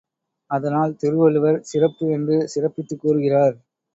அதனால் திருவள்ளுவர் சிறப்பு என்று சிறப்பித்துக் கூறுகிறார்.